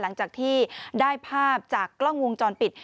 หลังจากที่ได้ภาพจากกล้องวงจรปิด